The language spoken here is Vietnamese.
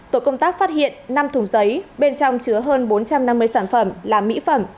tổ công tác phát hiện năm thùng giấy bên trong chứa hơn bốn trăm năm mươi sản phẩm là mỹ phẩm